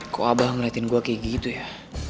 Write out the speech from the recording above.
kok abah ngeliatin gue kayak gitu ya